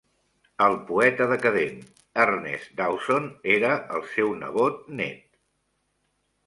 El poeta decadent Ernest Dowson era el seu nebot net.